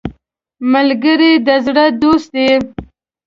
ملګری د زړه دوست دی